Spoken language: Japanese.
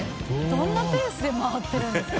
どんなペースで回ってるんですか。